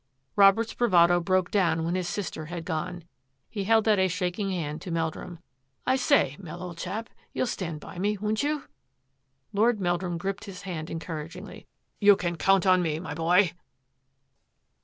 Robert's bravado broke down when his sister had gone. He held out a shaking hand to Mel drum. " I say, Mel, old chap, you'll stand by me, won't you? '* Lord Meldrum gripped his hand encouragingly. " You can count on me, my boy